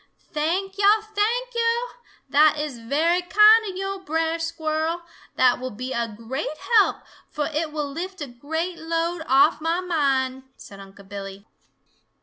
"Thank yo'! Thank yo'! That is very kind of yo', Brer Squirrel. That will be a great help, fo' it will lift a great load off mah mind," said Unc' Billy.